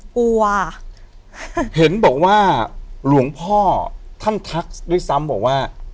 กลัวเห็นบอกว่าหลวงพ่อท่านทักด้วยซ้ำบอกว่า